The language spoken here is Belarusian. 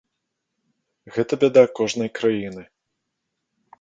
Гэта бяда кожнай краіны.